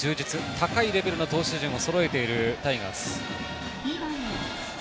高いレベルの投手陣をそろえているタイガース。